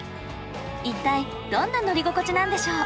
一体どんな乗り心地なんでしょう？